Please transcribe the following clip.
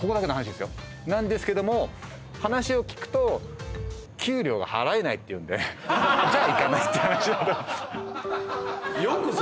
なんですけども話を聞くと給料が払えないって言うんでじゃあ行かないって話を。